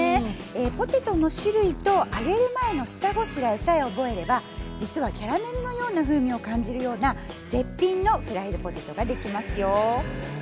ポテトの種類と揚げる前の下ごしらえさえ覚えれば実はキャラメルのような風味を感じるような絶品のフライドポテトが出来ますよ。